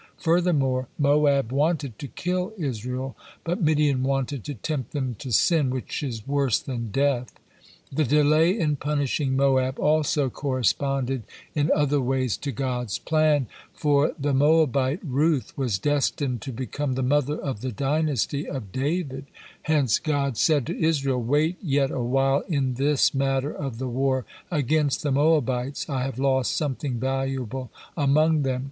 Furthermore Moab wanted to kill Israel, but Midian wanted to tempt them to sin, which is worse than death. The delay in punishing Moab also corresponded in other ways to God's plan, for the Moabite Ruth was destined to become the mother of the dynasty of David, hence God said to Israel: "Wait yet a while in this matter of the war against the Moabites: I have lost something valuable among them.